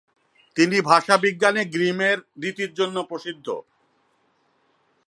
তিনি ভাষাবিজ্ঞানে গ্রিমের রীতির জন্য প্রসিদ্ধ।